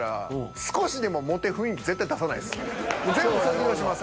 全部卒業します。